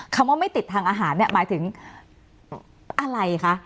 คำว่าไม่ติดทางอาหารเนี่ยหมายถึงอะไรคะ